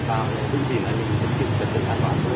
cảm ơn các bạn